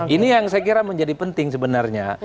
ini yang saya kira menjadi penting sebenarnya